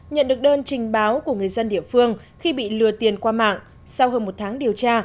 nhận được đơn trình báo của người dân địa phương khi bị lừa tiền qua mạng sau hơn một tháng điều tra